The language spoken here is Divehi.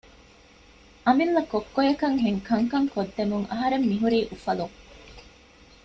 އަމިއްލަ ކޮއްކޮއަކަށްހެން ކަންކަން ކޮށްދެމުން އަހަރެން މިހުރީ އުފަލުން